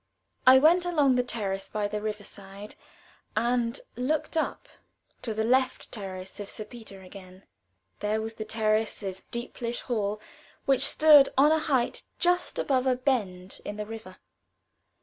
I went along the terrace by the river side, and looked up to the left traces of Sir Peter again. There was the terrace of Deeplish Hall, which stood on a height just above a bend in the river.